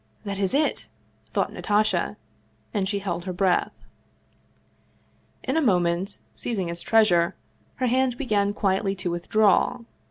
" That is it !" thought Natasha, and she held her breath. In a mo ment, seizing its treasure, her hand began quietly to with draw.